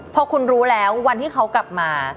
พอคุณรู้แล้ววันที่เขากลับมา